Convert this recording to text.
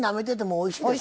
おいしいでしょ。